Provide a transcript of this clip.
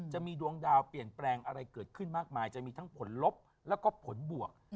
จะมีดวงดาวเปลี่ยนแปลงอะไรเกิดขึ้นมากมายจะมีทั้งผลลบแล้วก็ผลบวก